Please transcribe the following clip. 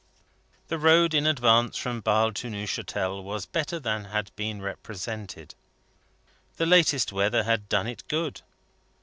The road in advance from Basle to Neuchatel was better than had been represented. The latest weather had done it good.